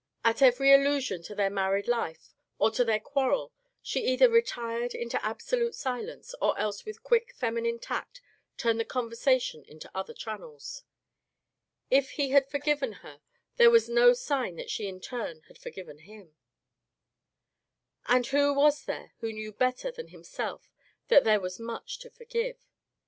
At every allusion to their married life, or to their quarrel, she either retired into absolute silence or else with quick feminine tact turned the conversation into other channels. If he had for Digitized by Google A, CON AN DOYLE, 43 given her there was no sign that she in turn had forgiven him. And who was there who knew better than him self that there was much to forgive